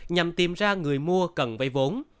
nhằm tìm ra người mua cần vay vốn